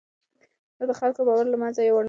ده د خلکو باور له منځه يووړ نه کړ.